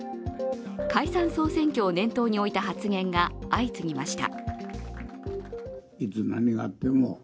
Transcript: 解散総選挙を念頭に置いた発言が相次ぎました。